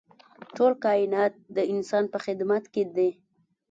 ټول کاینات د انسان په خدمت کې دي.